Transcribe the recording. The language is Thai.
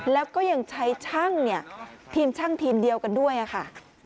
แล้วก็ยังใช้ช่างเนี่ยทีมช่างทีมเดียวกันด้วยค่ะ